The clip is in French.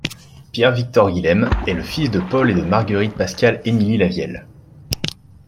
Pierre-Victor Guilhem, est le fils de Paul et de Marguerite-Pascale-Émilie Lavielle.